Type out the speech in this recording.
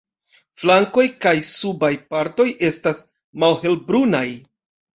Flankoj kaj subaj partoj estas malhelbrunaj.